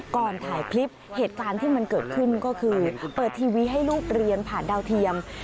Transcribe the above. ก่อนถ่ายคลิปเหตุการณ์ที่มันเกิดขึ้นก็คือเปิดทีวีให้ลูกเรียนผ่านดาวเทียม